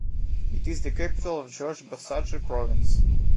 It is the capital of Jorge Basadre Province.